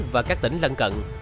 và các tỉnh lân cận